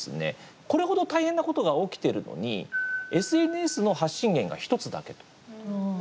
これほど大変なことが起きてるのにＳＮＳの発信源が１つだけと。